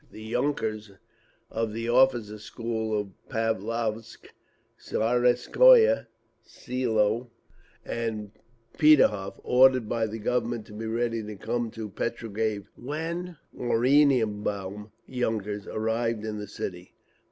The yunkers of the Officers' Schools of Pavlovsk, Tsarskoye Selo and Peterhof ordered by the Government to be ready to come to Petrograd. Oranienbaum yunkers arrive in the city.